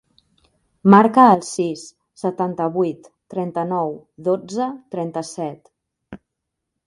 Marca el sis, setanta-vuit, trenta-nou, dotze, trenta-set.